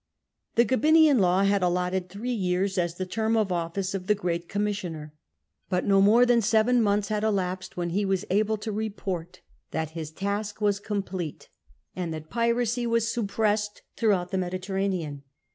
The Gabinian Law had allotted three years as the term of office of the great High Commissioner ; but no more than seven months had elapsed when he was able to report that his task was complete, and that piracy was sup pressed throughout the Mediterranean.